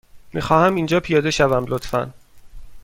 می خواهم اینجا پیاده شوم، لطفا.